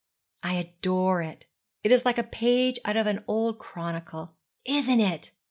'I adore it. It is like a page out of an old chronicle.' 'Isn't it?'